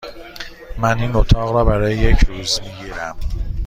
من این اتاق را برای یک روز می گیرم.